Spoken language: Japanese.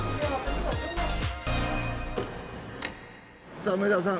さあ梅沢さん